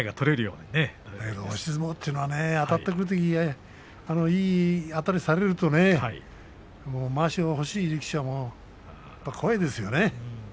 押し相撲っていうのは立ち合いでいいあたりをされるとまわしの欲しい力士は怖いですよね。